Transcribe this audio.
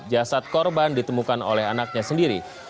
jasad korban ditemukan oleh anaknya sendiri